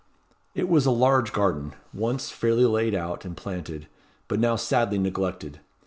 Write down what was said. It was a large garden, once fairly laid out and planted, but now sadly neglected.